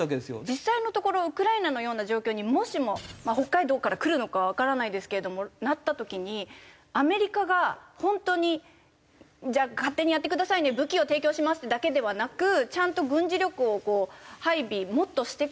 実際のところウクライナのような状況にもしもまあ北海道から来るのかはわからないですけれどもなった時にアメリカが本当にじゃあ勝手にやってくださいね武器を提供しますってだけではなくちゃんと軍事力を配備もっとしてくれる。